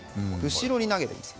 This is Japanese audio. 後ろに投げています。